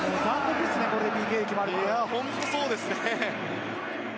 いや、本当にそうですね。